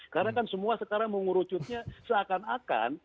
karena kan semua sekarang mengurucutnya seakan akan